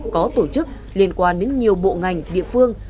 có tổ chức liên quan đến nhiều bộ ngành địa phương